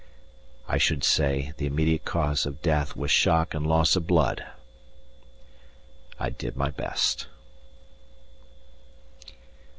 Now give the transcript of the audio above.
I should say the immediate cause of death was shock and loss of blood. I did my best.